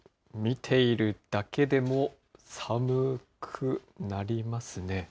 見ているだけでも寒くなりますね。